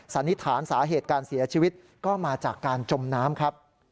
สันนิษฐานสาเหตุการเสียชีวิตก็มาจากการจมน้ำครับ